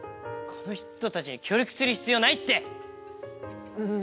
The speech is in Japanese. この人たちに協力する必要ないって！